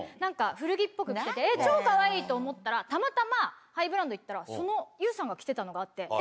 古着っぽく着てて超かわいいと思ったらたまたまハイブランド行ったらそのＹＯＵさんが着てたのがあって。